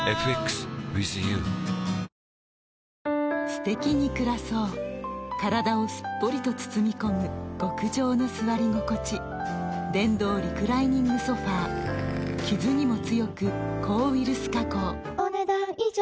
すてきに暮らそう体をすっぽりと包み込む極上の座り心地電動リクライニングソファ傷にも強く抗ウイルス加工お、ねだん以上。